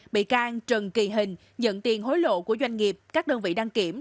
bị can trần kỳ hình nhận tiền hối lộ của doanh nghiệp các đơn vị đăng kiểm